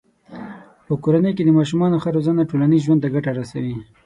په کورنۍ کې د ماشومانو ښه روزنه ټولنیز ژوند ته ګټه رسوي.